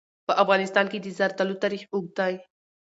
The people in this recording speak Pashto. په افغانستان کې د زردالو تاریخ اوږد دی.